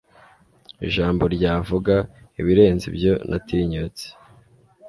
Ijambo ryavuga ibirenze ibyo natinyutse